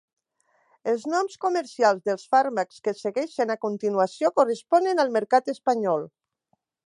Els noms comercials dels fàrmacs que segueixen a continuació corresponen al mercat espanyol.